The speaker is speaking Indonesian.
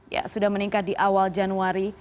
ya sudah meningkat di awal januari